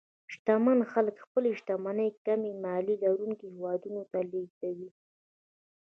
شتمن خلک خپلې شتمنۍ کمې مالیې لرونکو هېوادونو ته لېږدوي.